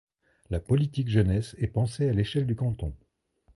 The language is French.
La politique jeunesse est pensée à l'échelle du canton.